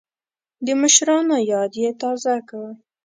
د مشرانو یاد یې تازه کړ.